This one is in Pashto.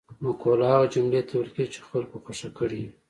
مقوله هغه جملې ته ویل کیږي چې خلکو خوښه کړې وي